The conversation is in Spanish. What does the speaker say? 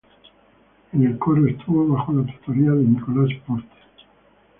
En el coro, estuvo bajo la tutoría de Nicolas Porte.